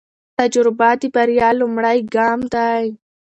تجربه د بریا لومړی ګام دی.